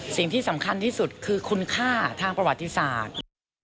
สิ่งที่สำคัญที่สุดคือคุณค่าทางประวัติศาสตร์